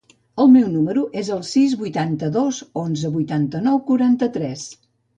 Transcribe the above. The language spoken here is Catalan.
El meu número es el sis, vuitanta-dos, onze, vuitanta-nou, quaranta-tres.